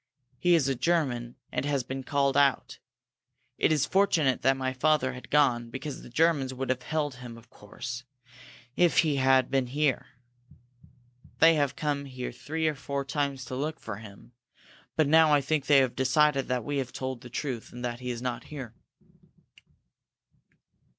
He is a German, and has been called out. It is fortunate that my father had gone, because the Germans would have held him, of course, if he had been here. They have come here three or four times to look for him, but now I think they have decided that we have told the truth, and that he is not here."